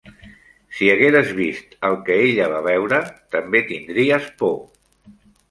Si hagueres vist el que ella va veure també tindries por